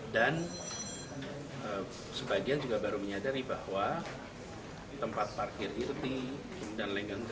dan sebagian juga baru menyadari bahwa tempat parkir irti dan lenggang